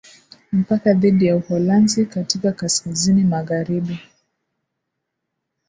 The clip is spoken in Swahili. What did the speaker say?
Mpaka dhidi ya Uholanzi katika kaskazini magharibi